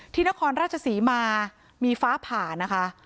นครราชศรีมามีฟ้าผ่านะคะ